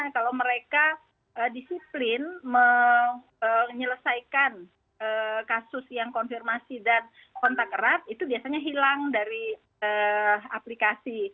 kalau mereka disiplin menyelesaikan kasus yang konfirmasi dan kontak erat itu biasanya hilang dari aplikasi